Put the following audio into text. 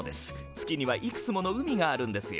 月にはいくつもの海があるんですよ。